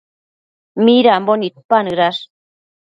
Midambo nidpanëdash?